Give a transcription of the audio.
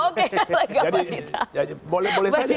boleh saja cak imin boleh saja